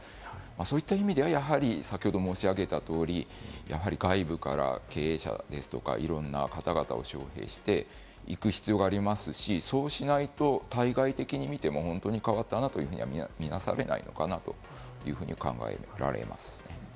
そういった意味では先ほど申し上げた通り、やはり外部から経営者ですとか、いろんな方々を招聘していく必要がありますし、そうしないと、対外的に見ても本当に変わったなというふうにはみなされないのかなというふうに考えられます。